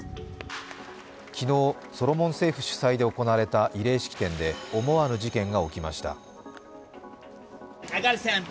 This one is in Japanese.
昨日ソロモン政府主催で行われた慰霊式典で思わぬ事件が起きました。